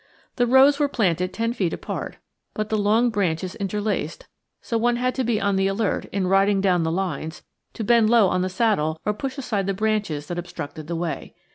The rows were planted ten feet apart, but the long branches interlaced, so one had to be on the alert, in riding down the lines, to bend low on the saddle or push aside the branches that obstructed the way.